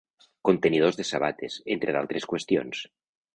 Contenidors de sabates, entre d'altres qüestions.